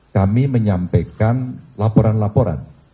kami menyampaikan laporan laporan